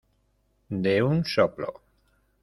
de un soplo.